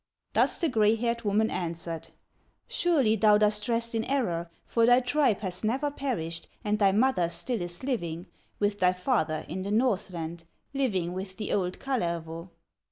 Thus the gray haired woman answered: "Surely thou dost rest in error, For thy tribe has never perished, And thy mother still is living With thy father in the Northland, Living with the old Kalervo."